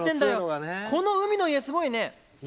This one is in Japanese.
この海の家、すごいね。